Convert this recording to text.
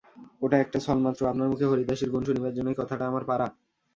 ওটা একটা ছলমাত্র— আপনার মুখে হরিদাসীর গুণ শুনিবার জন্যই কথাটা আমার পাড়া।